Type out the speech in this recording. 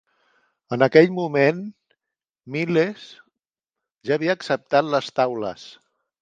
En aquell moment, Miles ja havia acceptat les taules.